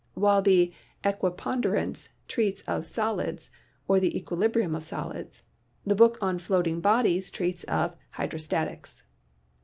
While the "Equiponderance" treats of solids or the 8 PHYSICS equilibrium of solids, the book on "Floating Bodies" treats of hydrostatics.